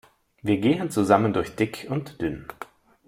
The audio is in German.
Wir gehen zusammen durch dick und dünn.